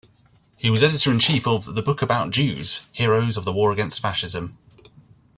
He was editor-in-chief of "The Book About Jews-Heroes of the War against Fascism".